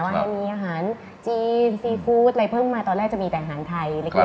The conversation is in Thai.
ว่าให้มีอาหารจีนซีฟู้ดอะไรเพิ่มมาตอนแรกจะมีแต่อาหารไทย